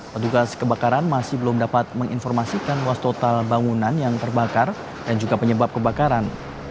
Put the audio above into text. petugas kebakaran masih belum dapat menginformasikan luas total bangunan yang terbakar dan juga penyebab kebakaran